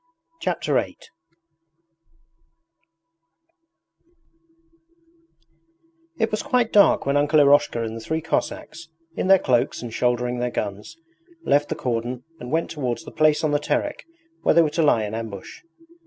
Chapter VIII It was quite dark when Uncle Eroshka and the three Cossacks, in their cloaks and shouldering their guns, left the cordon and went towards the place on the Terek where they were to lie in ambush.